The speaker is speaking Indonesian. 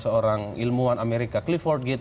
seorang ilmuwan amerika clifford gate